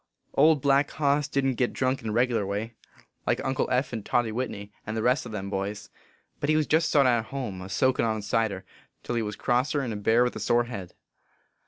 Old Black Hoss didn t git drunk in a regerlar way, like Uncle Eph and Toddy Whitney, and the rest o them boys. But he jest sot at home, a soakin on cider, till he was crosser n a bear with a sore head.